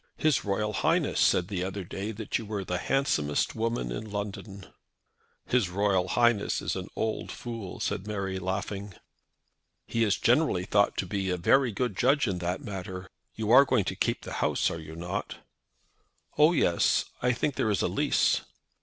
His Royal Highness said the other night that you were the handsomest woman in London." "His Royal Highness is an old fool," said Mary, laughing. "He is generally thought to be a very good judge in that matter. You are going to keep the house, are you not?" "Oh, yes; I think there is a lease."